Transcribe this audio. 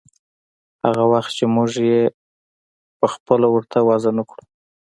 هغه وخت چې موږ يې پخپله ورته وضع نه کړو.